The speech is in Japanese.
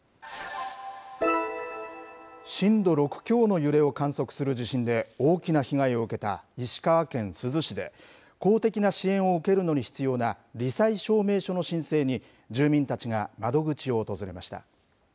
震度６強の揺れを観測する地震で大きな被害を受けた、石川県珠洲市で、公的な支援を受けるのに必要なり災証明書の申請に、住民たちが窓口を訪れました。